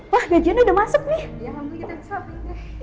wah gajian udah masuk nih